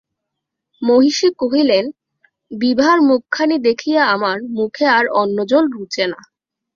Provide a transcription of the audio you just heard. মহিষী কহিলেন, বিভার মুখখানি দেখিয়া আমার মুখে আর অন্নজল রুচে না।